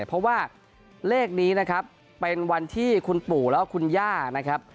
เพราะว่าเลขนี้นะครับเป็นวันที่คุณปู่แล้วก็คุณย่านะครับ